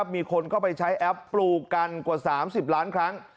มีคนเข้าไปใช้แอปปลูกกันกว่า๓๐ล้านครั้ง